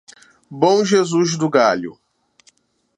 Bom Jesus do Galho